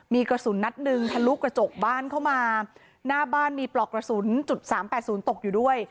มีกระสุนนัดหนึ่งทะลุกระจกบ้านเข้ามาหน้าบ้านมีปลอกกระสุนจุดสามแปดศูนย์ตกอยู่ด้วย